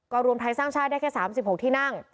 ก็รวมไทยสร้างชาติได้แค่๓๖ที่นั่ง